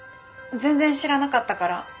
全然知らなかったから。